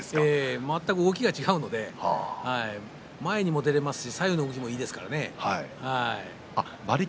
全く違いますね全く動きが違うので前にも出られますし左右の動きもいいですからね。